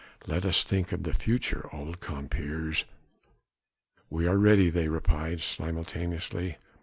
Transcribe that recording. Let us think of the future, old compeers." "We are ready," they replied simultaneously.